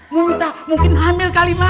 muntah mungkin hamil kali mak